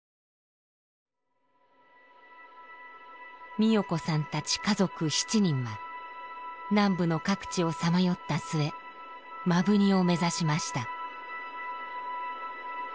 美代子さんたち家族７人は南部の各地をさまよった末摩文仁を目指しました。